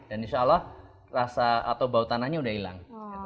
insya allah rasa atau bau tanahnya sudah hilang